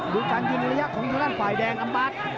ดูการยืนระยะของด้านขวายแดงอัมบาท